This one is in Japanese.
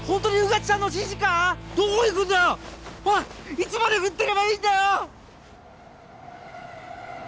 いつまで振ってればいいんだよ！？